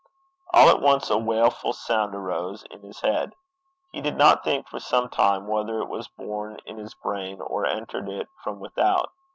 All at once a wailful sound arose in his head. He did not think for some time whether it was born in his brain, or entered it from without.